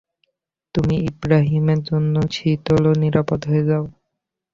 তুমি ইবরাহীমের জন্যে শীতল ও নিরাপদ হয়ে যাও।